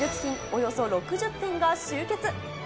およそ６０点が集結。